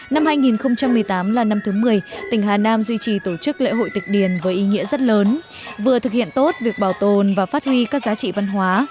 năm hai nghìn một mươi tám là năm thứ một mươi tỉnh hà nam duy trì tổ chức lễ hội tịch điền với ý nghĩa rất lớn vừa thực hiện tốt việc bảo tồn và phát huy các giá trị văn hóa